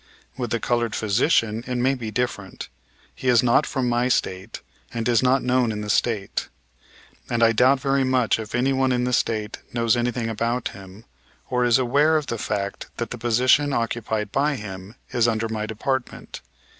With the colored physician it may be different. He is not from my State and is not known in the State. I doubt very much if anyone in the State knows anything about him, or is aware of the fact that the position occupied by him is under my department.